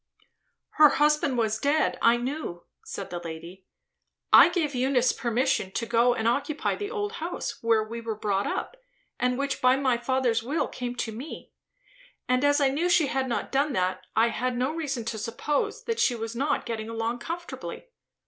"Her husband was dead, I knew," said the lady. "I gave Eunice permission to go and occupy the old house, where we were brought up, and which by my father's will came to me; and as I knew she had not done that, I had no reason to suppose that she was not getting along comfortably.